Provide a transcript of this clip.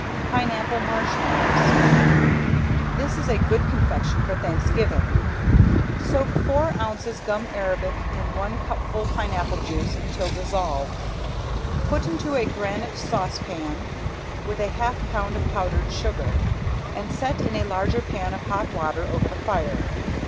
~PINEAPPLE MARSHMALLOWS~ This is a good confection for Thanksgiving. Soak four ounces gum arabic in one cupful pineapple juice until dissolved. Put into a granite saucepan with a half pound of powdered sugar, and set in a larger pan of hot water over the fire.